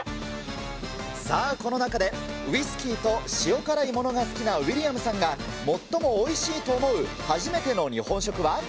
さあ、この中で、ウイスキーと塩辛いものが好きなウィリアムさんが最もおいしいと思う初めての日本食は？